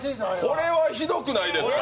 これはひどくないですか